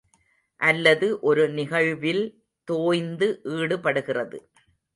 அல்லது ஒரு நிகழ்வில் தோய்ந்து ஈடுபடுகிறது.